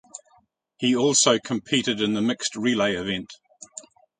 He also competed in the mixed relay event.